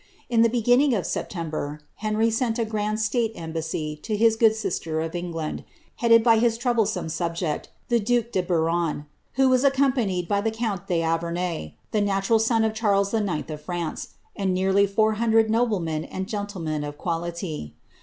In the beginning of September, Henry sent a grand state embassy to his good sister of England, headed by his troublesome subject, the due de Biron, who was accompanied by the count d'Auvergne, the natural son of Charles IX. of France, and nearly four hundred noblemen and gentlemen of quality.